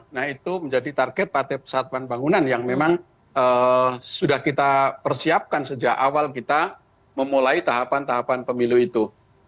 nah itu menjadi target partai persatuan bangunan yang memang sudah kita persiapkan sejak awal kita memulai tahapan tahapan pemilu itu